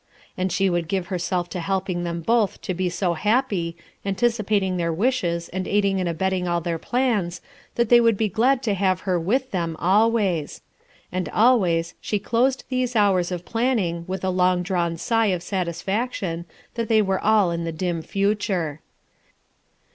And she would give herself to helping them both to be so happy, anticipating their wishes and aiding and abetting all their plans, that they would be glad to have her with them always. And always she closed these hours of planning with a long drawn sigh of satisfaction that they were all in the dim future.